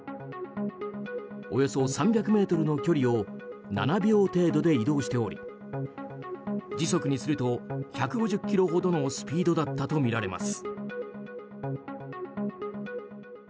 およそ３００ｍの距離を７秒程度で移動しており時速にすると１５０キロほどのスピードだったとみられます。